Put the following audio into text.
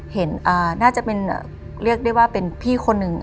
น่าจะเป็นเรียกได้ว่าเป็นพี่คนหนึ่ง